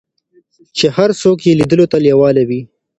چې هر څوک یې لیدلو ته لیواله وي.